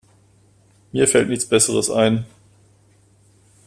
Mir fällt nichts Besseres ein.